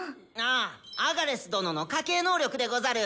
あアガレス殿の家系能力でござる。